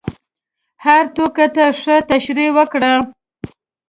هر توکي ته ښه تشریح وکړه.